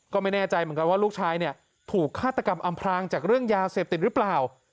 ก็ไม่แน่ใจเหมือนกันว่าลูกชายเนี่ยถูกฆาตกรรมอำพลางจากเรื่องยาเสพติดหรือเปล่า